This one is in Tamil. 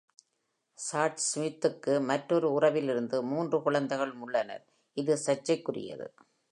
சாட் ஸ்மித்துக்கு மற்றொரு உறவிலிருந்து மூன்று குழந்தைகளும் உள்ளனர், இது சர்ச்சைக்குரியது.